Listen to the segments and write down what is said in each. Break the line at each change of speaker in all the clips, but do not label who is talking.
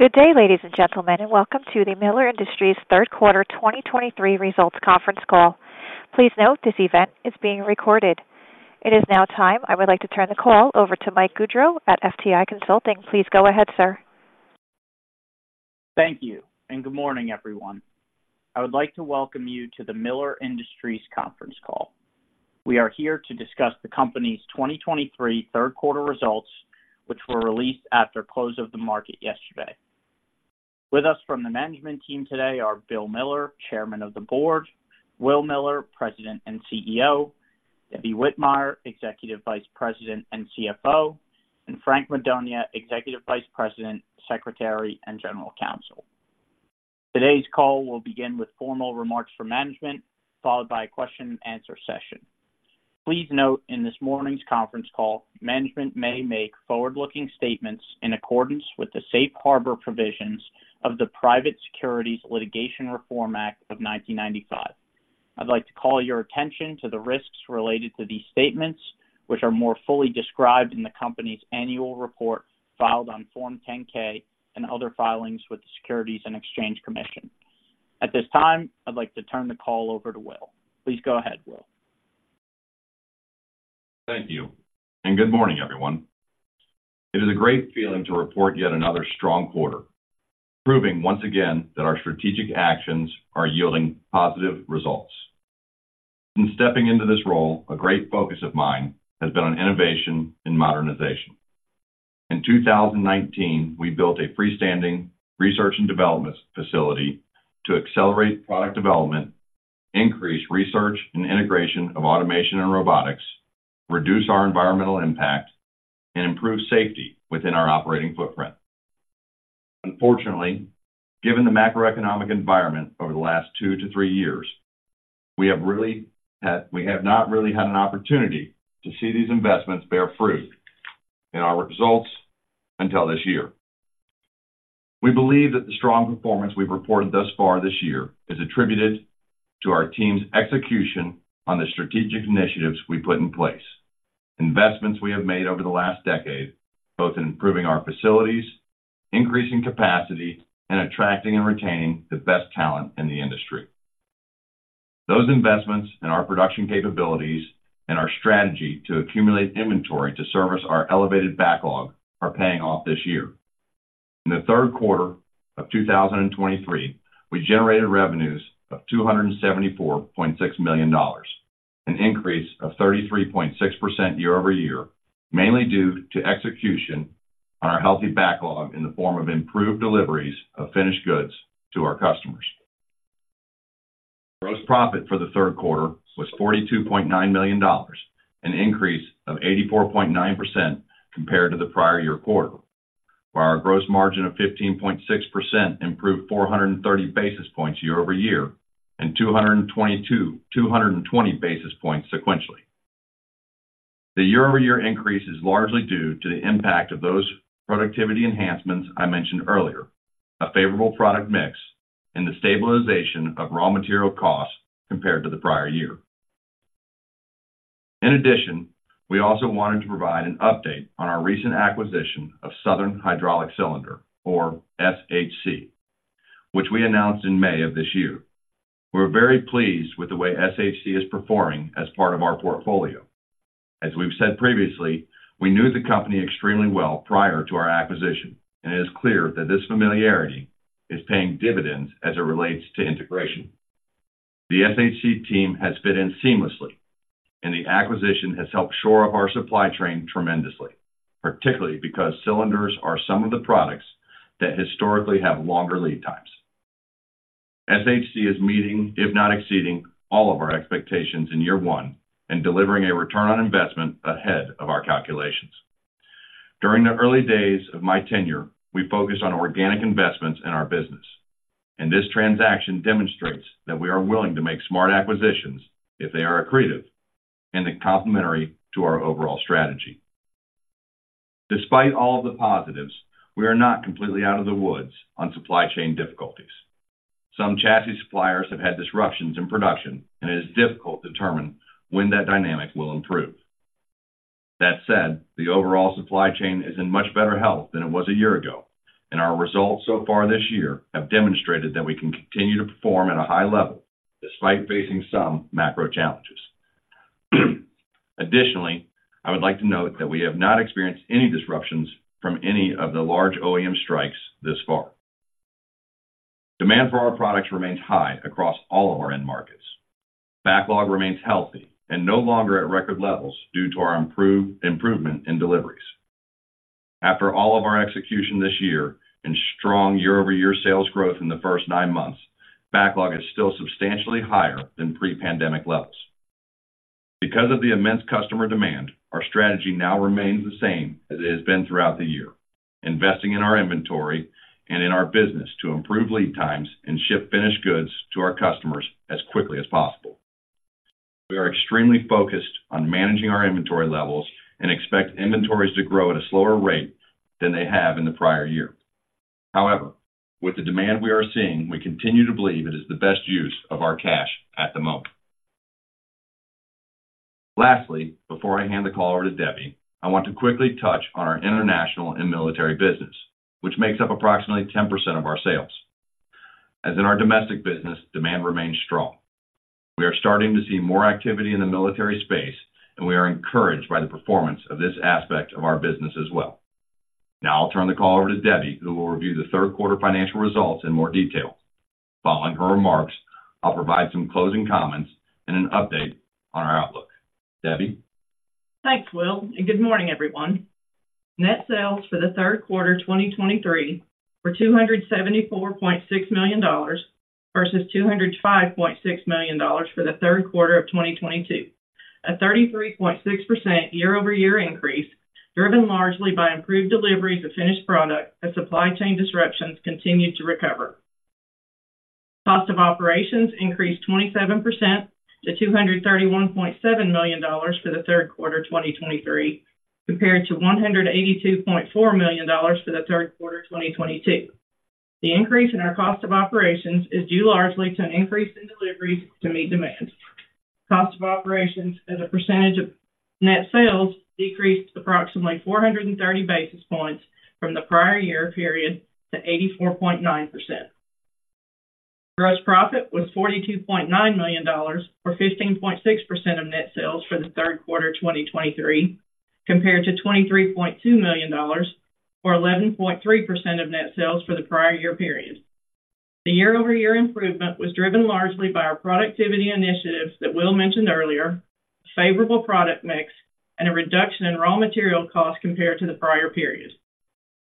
Good day, ladies and gentlemen, and welcome to the Miller Industries third quarter 2023 results conference call. Please note, this event is being recorded. It is now time, I would like to turn the call over to Mike Gaudreau at FTI Consulting. Please go ahead, sir.
Thank you, and good morning, everyone. I would like to welcome you to the Miller Industries conference call. We are here to discuss the company's 2023 third quarter results, which were released after close of the market yesterday. With us from the management team today are Bill Miller, Chairman of the Board; Will Miller, President and CEO; Debbie Whitmire, Executive Vice President and CFO; and Frank Madonia, Executive Vice President, Secretary, and General Counsel. Today's call will begin with formal remarks for management, followed by a question-and-answer session. Please note in this morning's conference call, management may make forward-looking statements in accordance with the Safe Harbor provisions of the Private Securities Litigation Reform Act of 1995. I'd like to call your attention to the risks related to these statements, which are more fully described in the company's annual report filed on Form 10-K and other filings with the Securities and Exchange Commission. At this time, I'd like to turn the call over to Will. Please go ahead, Will.
Thank you, and good morning, everyone. It is a great feeling to report yet another strong quarter, proving once again that our strategic actions are yielding positive results. In stepping into this role, a great focus of mine has been on innovation and modernization. In 2019, we built a freestanding research and development facility to accelerate product development, increase research and integration of automation and robotics, reduce our environmental impact, and improve safety within our operating footprint. Unfortunately, given the macroeconomic environment over the last two to three years, we have not really had an opportunity to see these investments bear fruit in our results until this year. We believe that the strong performance we've reported thus far this year is attributed to our team's execution on the strategic initiatives we put in place, investments we have made over the last decade, both in improving our facilities, increasing capacity, and attracting and retaining the best talent in the industry. Those investments in our production capabilities and our strategy to accumulate inventory to service our elevated backlog are paying off this year. In the third quarter of 2023, we generated revenues of $274.6 million, an increase of 33.6% year-over-year, mainly due to execution on our healthy backlog in the form of improved deliveries of finished goods to our customers. Gross profit for the third quarter was $42.9 million, an increase of 84.9% compared to the prior year quarter, while our gross margin of 15.6% improved 430 basis points year-over-year and 220 basis points sequentially. The year-over-year increase is largely due to the impact of those productivity enhancements I mentioned earlier, a favorable product mix, and the stabilization of raw material costs compared to the prior year. In addition, we also wanted to provide an update on our recent acquisition of Southern Hydraulic Cylinder, or SHC, which we announced in May of this year. We're very pleased with the way SHC is performing as part of our portfolio. As we've said previously, we knew the company extremely well prior to our acquisition, and it is clear that this familiarity is paying dividends as it relates to integration. The SHC team has fit in seamlessly, and the acquisition has helped shore up our supply chain tremendously, particularly because cylinders are some of the products that historically have longer lead times. SHC is meeting, if not exceeding, all of our expectations in year one and delivering a return on investment ahead of our calculations. During the early days of my tenure, we focused on organic investments in our business, and this transaction demonstrates that we are willing to make smart acquisitions if they are accretive and are complementary to our overall strategy. Despite all of the positives, we are not completely out of the woods on supply chain difficulties. Some chassis suppliers have had disruptions in production, and it is difficult to determine when that dynamic will improve. That said, the overall supply chain is in much better health than it was a year ago, and our results so far this year have demonstrated that we can continue to perform at a high level despite facing some macro challenges. Additionally, I would like to note that we have not experienced any disruptions from any of the large OEM strikes thus far. Demand for our products remains high across all of our end markets. Backlog remains healthy and no longer at record levels due to our improvement in deliveries. After all of our execution this year and strong year-over-year sales growth in the first nine months, backlog is still substantially higher than pre-pandemic levels. Because of the immense customer demand, our strategy now remains the same as it has been throughout the year: investing in our inventory and in our business to improve lead times and ship finished goods to our customers as quickly as possible. We are extremely focused on managing our inventory levels and expect inventories to grow at a slower rate than they have in the prior year. However, with the demand we are seeing, we continue to believe it is the best use of our cash at the moment.... Lastly, before I hand the call over to Debbie, I want to quickly touch on our international and military business, which makes up approximately 10% of our sales. As in our domestic business, demand remains strong. We are starting to see more activity in the military space, and we are encouraged by the performance of this aspect of our business as well. Now I'll turn the call over to Debbie, who will review the third quarter financial results in more detail. Following her remarks, I'll provide some closing comments and an update on our outlook. Debbie?
Thanks, Will, and good morning, everyone. Net sales for the third quarter, 2023 were $274.6 million, versus $205.6 million for the third quarter of 2022, a 33.6% year-over-year increase, driven largely by improved deliveries of finished product as supply chain disruptions continued to recover. Cost of operations increased 27% to $231.7 million for the third quarter of 2023, compared to $182.4 million for the third quarter of 2022. The increase in our cost of operations is due largely to an increase in deliveries to meet demand. Cost of operations as a percentage of net sales decreased approximately 430 basis points from the prior year period to 84.9%. Gross profit was $42.9 million, or 15.6% of net sales for the third quarter of 2023, compared to $23.2 million, or 11.3% of net sales for the prior year period. The year-over-year improvement was driven largely by our productivity initiatives that Will mentioned earlier, favorable product mix, and a reduction in raw material costs compared to the prior period.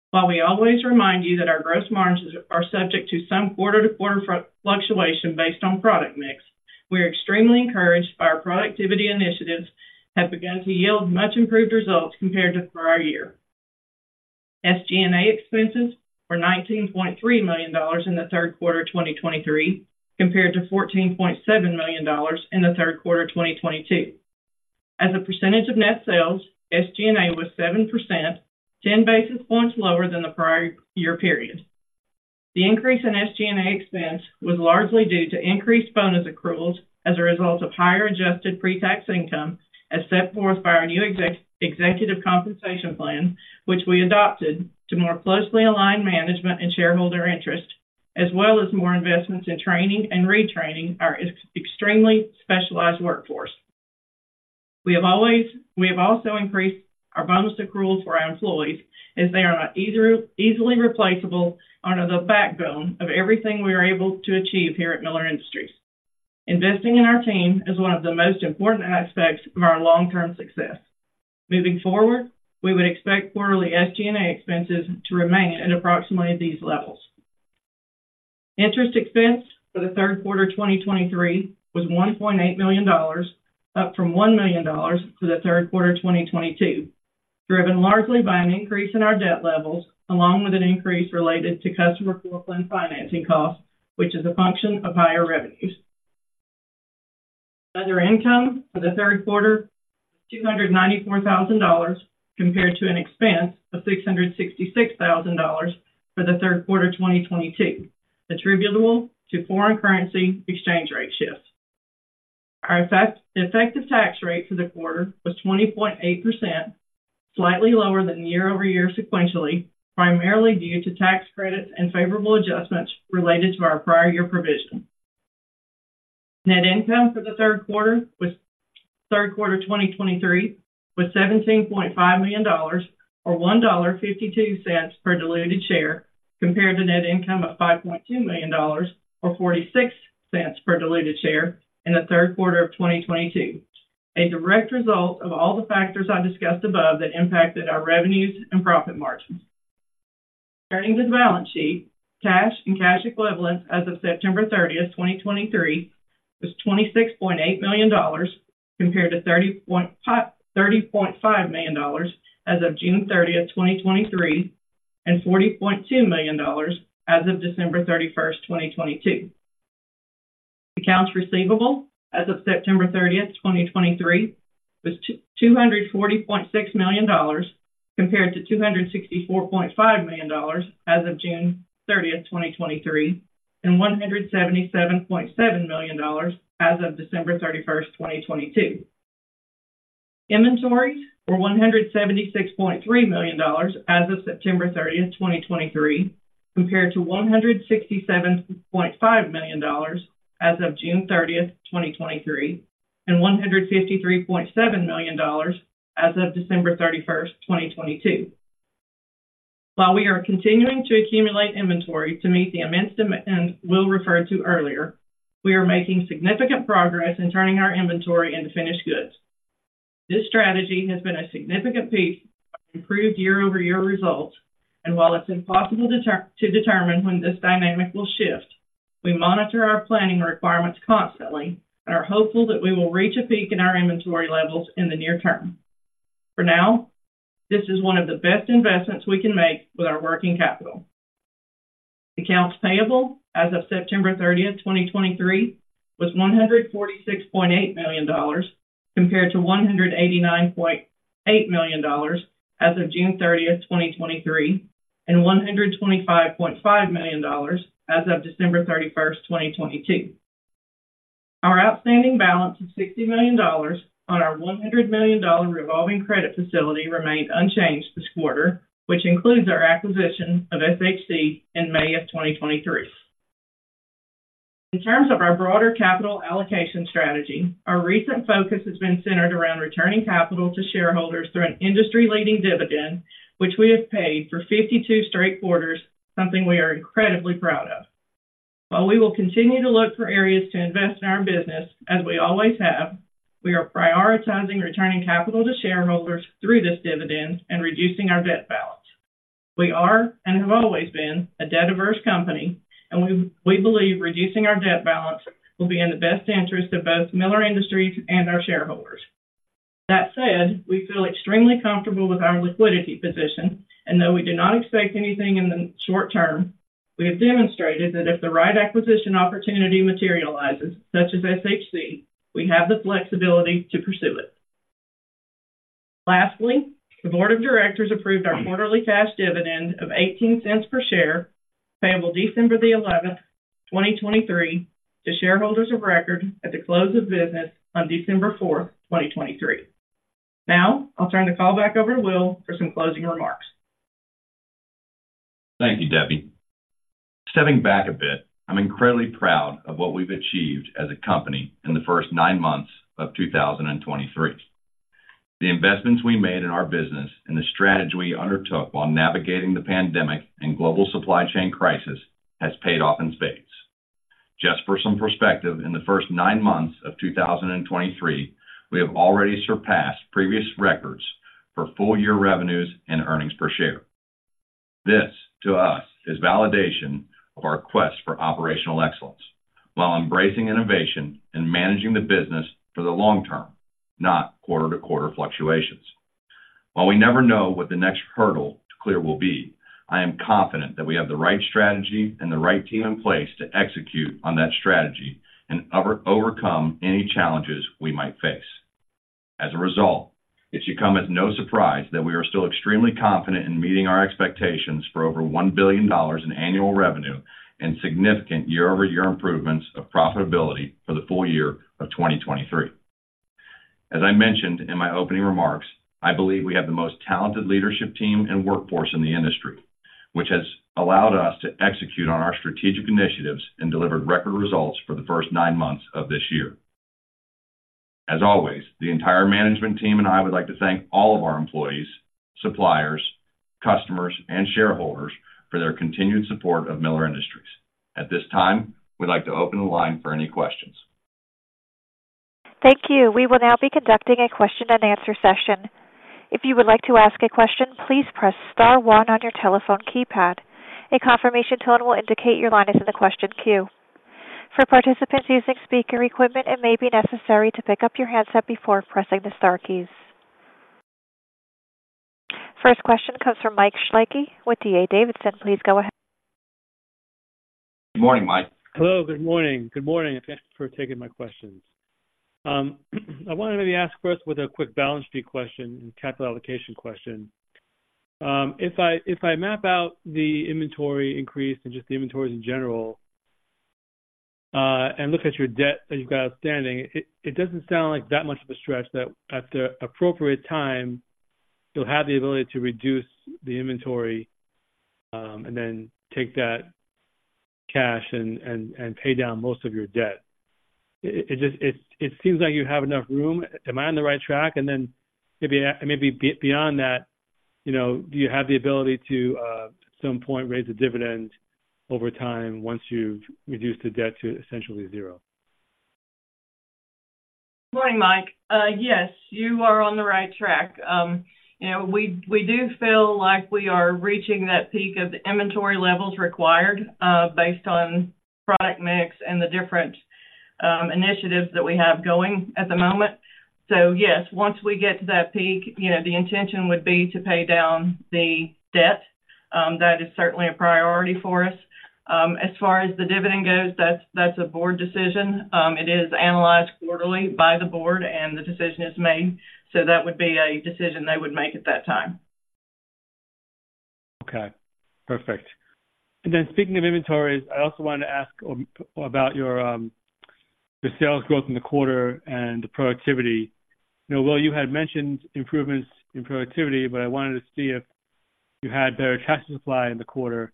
While we always remind you that our gross margins are subject to some quarter-to-quarter fluctuation based on product mix, we are extremely encouraged by our productivity initiatives have begun to yield much improved results compared to the prior year. SG&A expenses were $19.3 million in the third quarter of 2023, compared to $14.7 million in the third quarter of 2022. As a percentage of net sales, SG&A was 7%, 10 basis points lower than the prior year period. The increase in SG&A expense was largely due to increased bonus accruals as a result of higher adjusted pre-tax income, as set forth by our new executive compensation plan, which we adopted to more closely align management and shareholder interest, as well as more investments in training and retraining our extremely specialized workforce. We have also increased our bonus accruals for our employees, as they are not easily replaceable and are the backbone of everything we are able to achieve here at Miller Industries. Investing in our team is one of the most important aspects of our long-term success. Moving forward, we would expect quarterly SG&A expenses to remain at approximately these levels. Interest expense for the third quarter of 2023 was $1.8 million, up from $1 million for the third quarter of 2022, driven largely by an increase in our debt levels, along with an increase related to customer floorplan and financing costs, which is a function of higher revenues. Other income for the third quarter, $294,000, compared to an expense of $666,000 for the third quarter of 2022, attributable to foreign currency exchange rate shifts. Our effective tax rate for the quarter was 20.8%, slightly lower than year-over-year sequentially, primarily due to tax credits and favorable adjustments related to our prior year provision. Net income for the third quarter of 2023 was $17.5 million, or $1.52 per diluted share, compared to net income of $5.2 million, or $0.46 per diluted share in the third quarter of 2022. A direct result of all the factors I discussed above that impacted our revenues and profit margins. Turning to the balance sheet, cash and cash equivalents as of September 30, 2023, was $26.8 million, compared to $30.5 million as of June 30, 2023, and $40.2 million as of December 31, 2022. Accounts receivable as of September 30, 2023, was $240.6 million, compared to $264.5 million as of June 30, 2023, and $177.7 million as of December 31, 2022. Inventories were $176.3 million as of September 30, 2023, compared to $167.5 million as of June 30, 2023, and $153.7 million as of December 31, 2022. While we are continuing to accumulate inventory to meet the immense demand Will referred to earlier, we are making significant progress in turning our inventory into finished goods. This strategy has been a significant piece of improved year-over-year results, and while it's impossible to to determine when this dynamic will shift, we monitor our planning requirements constantly and are hopeful that we will reach a peak in our inventory levels in the near term. For now, this is one of the best investments we can make with our working capital. Accounts payable as of September 30, 2023, was $146.8 million, compared to $189.8 million as of June 30, 2023, and $125.5 million as of December 31, 2022. Our outstanding balance of $60 million on our $100 million revolving credit facility remained unchanged this quarter, which includes our acquisition of SHC in May 2023. In terms of our broader capital allocation strategy, our recent focus has been centered around returning capital to shareholders through an industry-leading dividend, which we have paid for 52 straight quarters, something we are incredibly proud of. While we will continue to look for areas to invest in our business, as we always have, we are prioritizing returning capital to shareholders through this dividend and reducing our debt balance. We are, and have always been, a debt-averse company, and we believe reducing our debt balance will be in the best interest of both Miller Industries and our shareholders. That said, we feel extremely comfortable with our liquidity position, and though we do not expect anything in the short term, we have demonstrated that if the right acquisition opportunity materializes, such as SHC, we have the flexibility to pursue it. Lastly, the Board of Directors approved our quarterly cash dividend of $0.18 per share, payable December 11, 2023, to shareholders of record at the close of business on December 4, 2023. Now, I'll turn the call back over to Will for some closing remarks.
Thank you, Debbie. Stepping back a bit, I'm incredibly proud of what we've achieved as a company in the first nine months of 2023. The investments we made in our business and the strategy we undertook while navigating the pandemic and global supply chain crisis has paid off in spades. Just for some perspective, in the first nine months of 2023, we have already surpassed previous records for full-year revenues and earnings per share. This, to us, is validation of our quest for operational excellence while embracing innovation and managing the business for the long term, not quarter-to-quarter fluctuations. While we never know what the next hurdle to clear will be, I am confident that we have the right strategy and the right team in place to execute on that strategy and overcome any challenges we might face. As a result, it should come as no surprise that we are still extremely confident in meeting our expectations for over $1 billion in annual revenue and significant year-over-year improvements of profitability for the full year of 2023. As I mentioned in my opening remarks, I believe we have the most talented leadership team and workforce in the industry, which has allowed us to execute on our strategic initiatives and delivered record results for the first nine months of this year. As always, the entire management team and I would like to thank all of our employees, suppliers, customers, and shareholders for their continued support of Miller Industries. At this time, we'd like to open the line for any questions.
Thank you. We will now be conducting a question and answer session. If you would like to ask a question, please press star one on your telephone keypad. A confirmation tone will indicate your line is in the question queue. For participants using speaker equipment, it may be necessary to pick up your handset before pressing the star keys. First question comes from Mike Shlisky with D.A. Davidson, please go ahead.
Good morning, Mike.
Hello, good morning. Good morning, thanks for taking my questions. I wanted to ask first with a quick balance sheet question and capital allocation question. If I map out the inventory increase and just the inventories in general, and look at your debt that you've got outstanding, it doesn't sound like that much of a stretch that at the appropriate time, you'll have the ability to reduce the inventory, and then take that cash and pay down most of your debt. It just seems like you have enough room. Am I on the right track? And then maybe beyond that, you know, do you have the ability to at some point raise the dividend over time once you've reduced the debt to essentially zero?
Morning, Mike. Yes, you are on the right track. You know, we do feel like we are reaching that peak of the inventory levels required, based on product mix and the different initiatives that we have going at the moment. So yes, once we get to that peak, you know, the intention would be to pay down the debt. That is certainly a priority for us. As far as the dividend goes, that's a board decision. It is analyzed quarterly by the board, and the decision is made. So that would be a decision they would make at that time.
Okay, perfect. And then speaking of inventories, I also wanted to ask about your sales growth in the quarter and the productivity. You know, Will, you had mentioned improvements in productivity, but I wanted to see if you had better chassis supply in the quarter.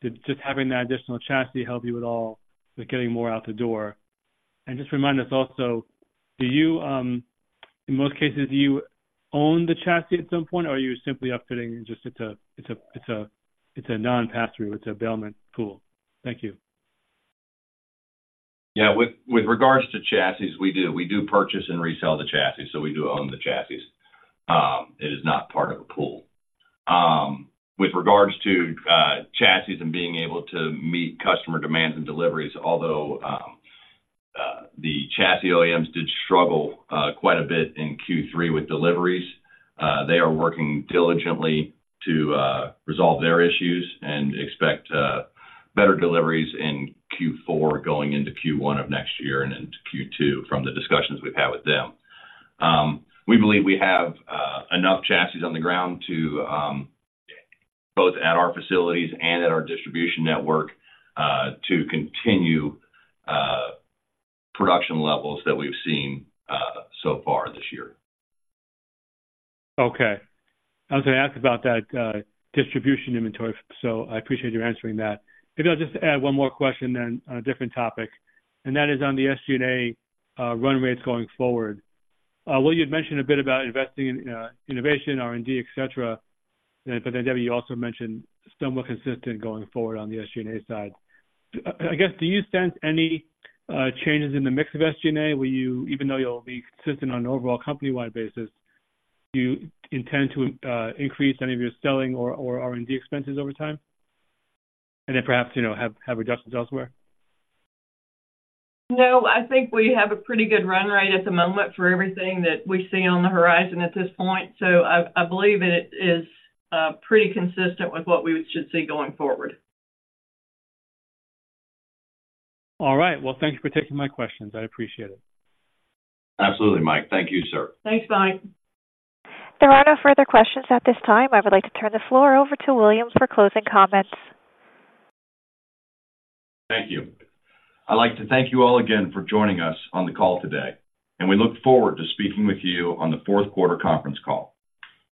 Did just having that additional chassis help you at all with getting more out the door? And just remind us also, do you in most cases do you own the chassis at some point, or are you simply upfitting? It's a non-pass-through, it's a bailment pool. Thank you.
Yeah. With regards to chassis, we do. We do purchase and resell the chassis, so we do own the chassis. It is not part of a pool. With regards to chassis and being able to meet customer demands and deliveries, although the chassis OEMs did struggle quite a bit in Q3 with deliveries, they are working diligently to resolve their issues and expect better deliveries in Q4 going into Q1 of next year and into Q2 from the discussions we've had with them. We believe we have enough chassis on the ground to both at our facilities and at our distribution network to continue production levels that we've seen so far this year.
Okay. I was gonna ask about that, distribution inventory, so I appreciate you answering that. Maybe I'll just add one more question then on a different topic, and that is on the SG&A, run rates going forward. William, you'd mentioned a bit about investing in, innovation, R&D, et cetera. But then, Debbie, you also mentioned somewhat consistent going forward on the SG&A side. I guess, do you sense any, changes in the mix of SG&A? Will you, even though you'll be consistent on an overall company-wide basis, do you intend to, increase any of your selling or R&D expenses over time, and then perhaps, you know, have reductions elsewhere?
No, I think we have a pretty good run rate at the moment for everything that we see on the horizon at this point. So I believe it is pretty consistent with what we should see going forward.
All right. Well, thank you for taking my questions. I appreciate it.
Absolutely, Mike. Thank you, sir.
Thanks, Mike.
There are no further questions at this time. I would like to turn the floor over to William for closing comments.
Thank you. I'd like to thank you all again for joining us on the call today, and we look forward to speaking with you on the fourth quarter conference call.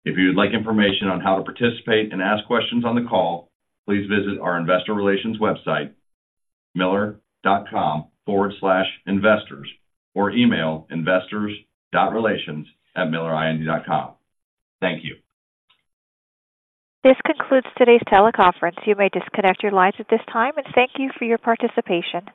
If you'd like information on how to participate and ask questions on the call, please visit our investor relations website, millerind.com/investors, or email investor.relations@millerind.com. Thank you.
This concludes today's teleconference. You may disconnect your lines at this time, and thank you for your participation.